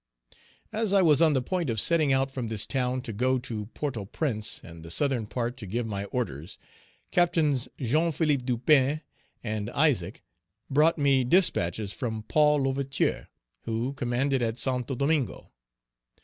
As I was on the point of setting out from this town to go to Port au Prince and the southern part to give my orders, Captains Jean Philippe Dupin and Isaac brought me dispatches from Paul L'Ouverture, who commanded at Santo Domingo.